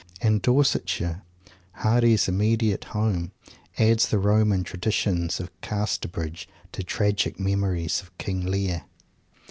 And Dorsetshire, Hardy's immediate home, adds the Roman traditions of Casterbridge to tragic memories of King Lear.